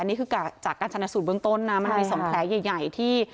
อันนี้คือการชาญสูตรเบื้องต้นนะมันทำให้๒แผลใหญ่ที่